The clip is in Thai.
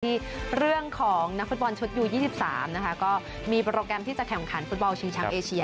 ที่เรื่องของนักฟุตบอลชุดยู๒๓นะคะก็มีโปรแกรมที่จะแข่งขันฟุตบอลชิงแชมป์เอเชีย